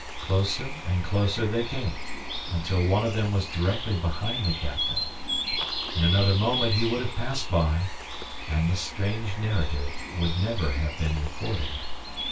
Closer and closer they came, until one of them was directly behind the captain. In another moment he would have passed by and this strange narrative would never have been recorded.